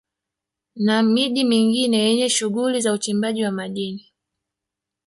Na miji mingine yenye shughuli za uchimbaji wa madini